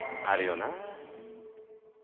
あるよな。